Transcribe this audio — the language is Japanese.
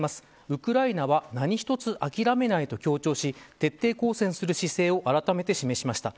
ウクライナは何一つ諦めない、と強調し徹底抗戦する姿勢をあらためて示しました。